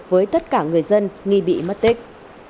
với tất cả người dân nghi bị mất tích